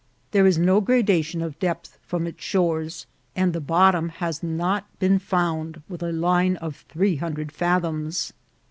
There is no gradation of depth from its shores, and the bottom has not been found with a line of three hundred fathoms.